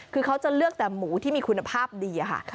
คือเขาจะเลือกแต่หมูที่มีคุณภาพดีค่ะ